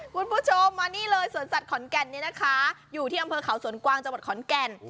คุณผู้ชมมานี่เลยสวนสัตว์ขอนแก่นนี้นะคะอยู่ที่อำเภอเขาสวนกวางจังหวัดขอนแก่น